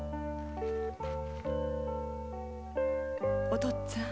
お父っつぁん。